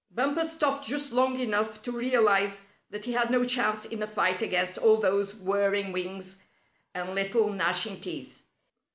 Bumper stopped just long enough to realize that he had no chance in a fight against all those whirring wings and little gnashing teeth.